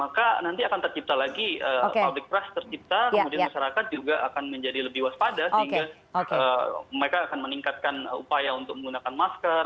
maka nanti akan tercipta lagi public trust tercipta kemudian masyarakat juga akan menjadi lebih waspada sehingga mereka akan meningkatkan upaya untuk menggunakan masker